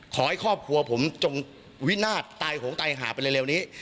ขอให้ครอบครัวผมจงวินาศตายโหงตายหาไปเร็วนี้